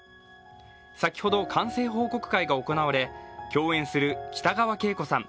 先ほど完成報告会が行われ共演する北川景子さん